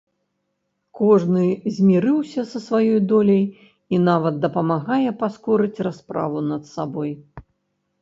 Кожны змірыўся са сваёй доляй і нават дапамагае паскорыць расправу над сабой.